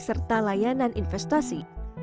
serta layanan investasi